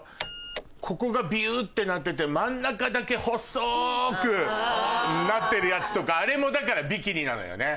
ここがビュってなってて真ん中だけ細くなってるやつとかあれもだからビキニなのよね？